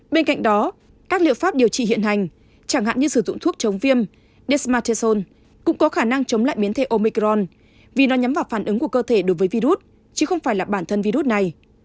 bên cạnh đó các liệu pháp điều trị hiện hành chẳng hạn như sử dụng thuốc chống viêm dess mattasol cũng có khả năng chống lại biến thể omicron vì nó nhắm vào phản ứng của cơ thể đối với virus chứ không phải là bản thân virus này